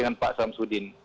dengan pak samsudin